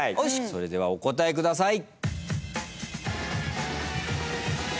それではお答えください。